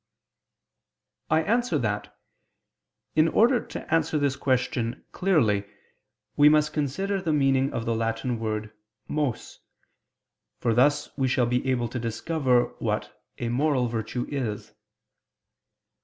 I answer that, In order to answer this question clearly, we must consider the meaning of the Latin word mos; for thus we shall be able to discover what a moral virtue is.